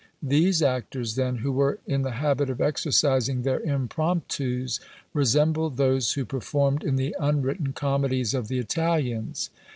These actors, then, who were in the habit of exercising their impromptus, resembled those who performed in the unwritten comedies of the Italians.